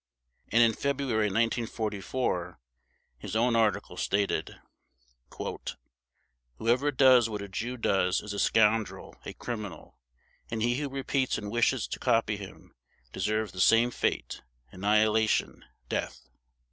And in February 1944 his own article stated: "Whoever does what a Jew does is a scoundrel, a criminal. And he who repeats and wishes to copy him deserves the same fate, annihilation, death."